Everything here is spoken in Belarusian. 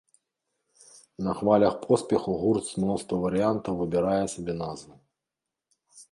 На хвалях поспеху гурт з мноства варыянтаў выбірае сабе назву.